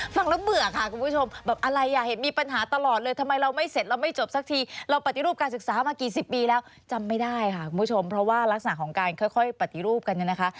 ฟังแล้วเบื่อค่ะคุณผู้ชมแบบอะไรอ่ะเห็นมีปัญหาตลอดเลยทำไมเราไม่เสร็จเราไม่จบสักทีเราปฏิรูปการศึกษามากี่สิบปีแล้วจำไม่ได้ค่ะคุณผู้ชมเพราะว่ารักษณะของการค่อยปฏิรูปกันเนี่ยนะคะ